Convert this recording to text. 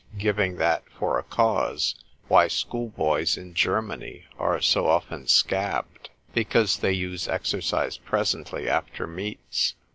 4, giving that for a cause, why schoolboys in Germany are so often scabbed, because they use exercise presently after meats.